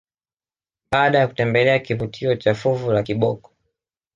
Baada ya kutembelea kivutio cha fuvu la kiboko